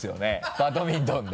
バドミントンで。